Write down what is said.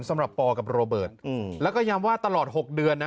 สำหรับปอกับโรเบิร์ตแล้วก็ย้ำว่าตลอด๖เดือนนะ